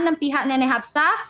dan pihak nenek afsa